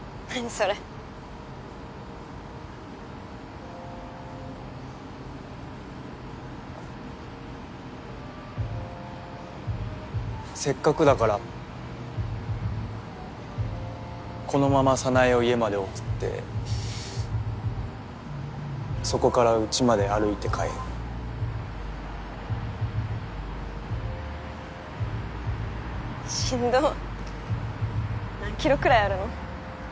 それせっかくだからこのまま早苗を家まで送ってそこからうちまで歩いて帰るしんど何キロくらいあるの？